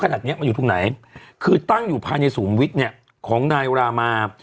ขนาดเนี้ยมันอยู่ตรงไหนคือตั้งอยู่ภายในศูนย์วิทย์เนี่ยของนายรามา